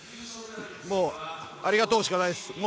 ◆もう、ありがとうしかないです。